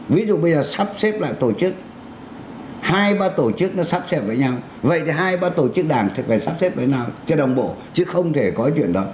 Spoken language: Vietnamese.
ví dụ bây giờ sắp xếp lại tổ chức hai ba tổ chức nó sắp xếp với nhau vậy thì hai ba tổ chức đảng thì phải sắp xếp phải nào chưa đồng bộ chứ không thể có chuyện đó